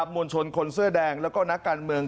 มวลชนคนเสื้อแดงแล้วก็นักการเมือง